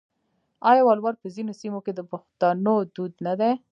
آیا ولور په ځینو سیمو کې د پښتنو دود نه دی؟